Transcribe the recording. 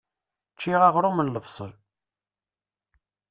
Ččiɣ aɣrum n lebṣel.